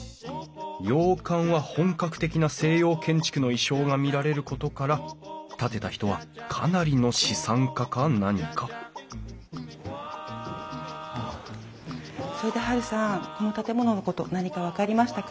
洋館は本格的な西洋建築の意匠が見られることから建てた人はかなりの資産家か何かそれでハルさんこの建物のこと何か分かりましたか？